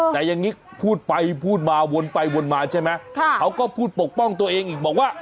แต่อย่างนี้พูดไปพูดมาวนไปวนมาใช่ไหมเขาก็พูดปกป้องตัวเองอีกบอกว่า